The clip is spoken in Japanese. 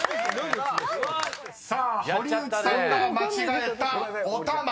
［さあ堀内さんが間違えたおたま］